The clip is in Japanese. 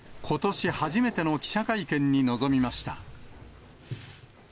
ことし初めての記者会見に臨みました。